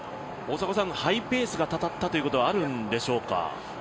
ハイペースがたたったということはあるんでしょうか。